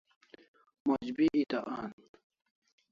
Moch bi eta an